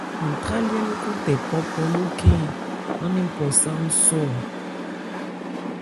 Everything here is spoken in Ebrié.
Ntrályɛ́ lókɔn tɛ pɔ́pɔ́ lókhɛ́n an nɛ́n pɔ sɔ́ a.